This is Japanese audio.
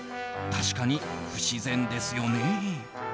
確かに不自然ですよね？